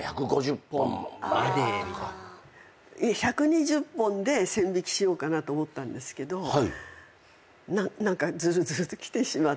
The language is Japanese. １２０本で線引きしようかなと思ったんですけど何かズルズルときてしまって。